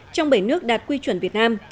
trong bảy nước đạt quy chuẩn việt nam